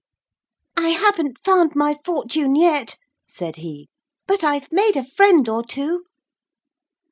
'I haven't found my fortune yet,' said he, 'but I've made a friend or two.'